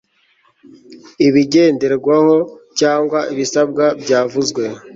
ibigenderwaho cyangwa ibisabwa byavuzwe